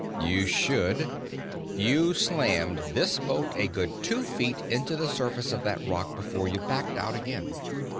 "You should. You slammed this boat a good two feet into the surface of that rock before you backed out again."